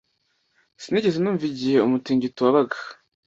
Sinigeze numva igihe umutingito wabaga